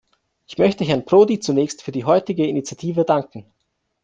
Ich möchte Herrn Prodi zunächst für die heutige Initiative danken.